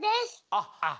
あっ！